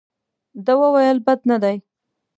ده وویل بد نه دي.